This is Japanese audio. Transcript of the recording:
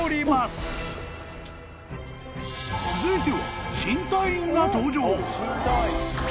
［続いては］